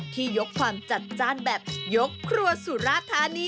ยกความจัดจ้านแบบยกครัวสุราธานี